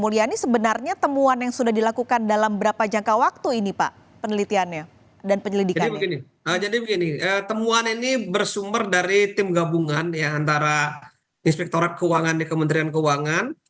jadi begini temuan ini bersumber dari tim gabungan antara inspektorat keuangan di kementerian keuangan